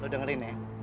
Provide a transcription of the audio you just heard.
lo dengerin ya